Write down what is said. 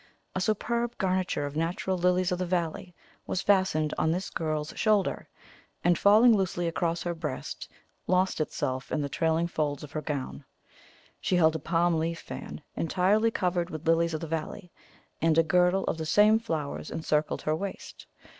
A superb garniture of natural lilies of the valley was fastened on this girl's shoulder; and, falling loosely across her breast, lost itself in the trailing folds of her gown. She held a palm leaf fan entirely covered with lilies of the valley, and a girdle of the same flowers encircled her waist.